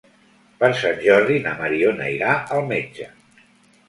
Per Sant Jordi na Mariona irà al metge.